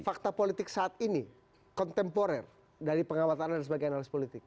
fakta politik saat ini kontemporer dari pengawatan anda sebagai analis politik